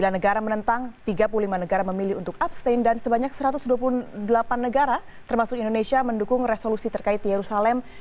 tiga negara menentang tiga puluh lima negara memilih untuk abstain dan sebanyak satu ratus dua puluh delapan negara termasuk indonesia mendukung resolusi terkait yerusalem